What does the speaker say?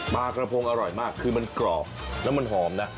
ปลากระพงอร่อยมากคือมันกรอบแล้วมันหอมนะ